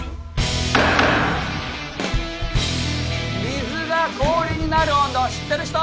水が氷になる温度を知ってる人？